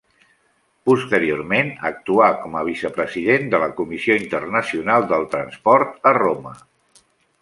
Posteriorment actuà com a vicepresident de la Comissió Internacional del Transport a Roma.